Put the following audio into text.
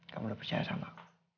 kamu udah percaya sama aku